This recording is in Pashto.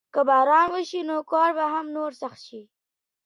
که باران وشي نو کار به نور هم سخت شي.